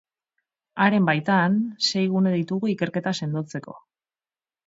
Haren baitan, sei gune ditugu ikerketa sendotzeko.